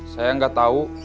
saya gak tau